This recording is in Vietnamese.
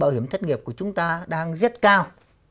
bảo hiểm thất nghiệp của chúng ta đang rất cao